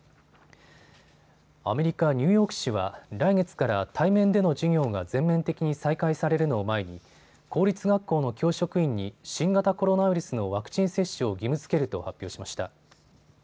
アメリカ・ニューヨーク市は来月から対面での授業が全面的に再開されるのを前に公立学校の教職員に新型コロナウイルスのワクチン接種を義務づけると発表しました。